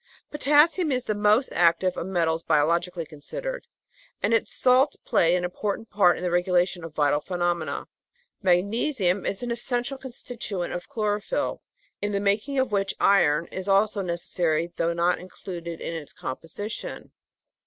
Potassium is the most active of metals biologically con sidered, and its salts play an important part in the regulation of vital phenomena. Magnesium is an essential constituent of chlorophyll, in the making of which iron is also necessary though not included in its composition.